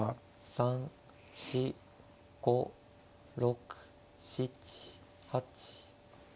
３４５６７８。